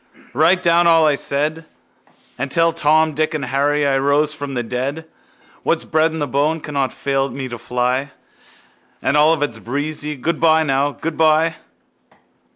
Write down all I said And tell Tom, Dick and Harry I rose from the dead. What's bred in the bone cannot fail me to fly And Olivet's breezy... Goodbye, now, goodbye!